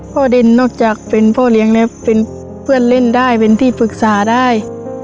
เดนนอกจากเป็นพ่อเลี้ยงแล้วเป็นเพื่อนเล่นได้เป็นที่ปรึกษาได้